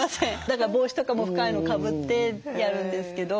だから帽子とかも深いのかぶってやるんですけど。